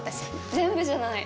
全部じゃない。